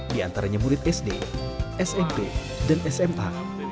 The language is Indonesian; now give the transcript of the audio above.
diantaranya murid sd smp dan sma